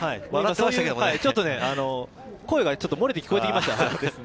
ちょっと声がもれて聞こえてきました。